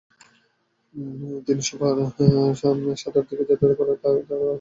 তিনি সাতারার দিকে যাত্রা করেন, যেখানে তারাবাই তাকে অভ্যর্থনা জানান।